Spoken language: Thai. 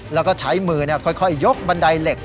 แล้วก็ใช้มือค่อยยกบันไดเหล็ก